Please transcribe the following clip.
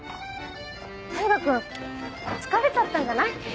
大牙君疲れちゃったんじゃない？